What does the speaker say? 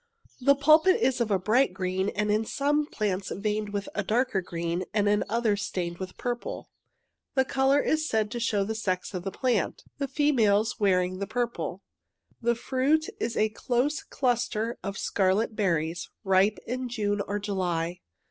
The '' pulpit '^ is of a bright green, in some plants veined with a darker green, and in others stained with purple— the coloui^ is said to show the sex of the plant — the females wearing the purple. The fruit is a close cluster of scarlet berries —ripe in June or July.